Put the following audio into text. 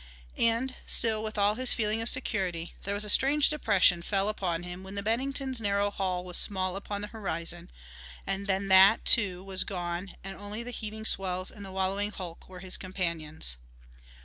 And, still, with all his feeling of security, there was a strange depression fell upon him when the Bennington's narrow hull was small upon the horizon, and then that, too, was gone and only the heaving swells and the wallowing hulk were his companions.